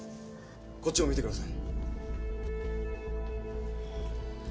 こっちも見てください。